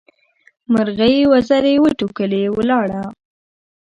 مرغۍ وزرې وټکولې؛ ولاړه.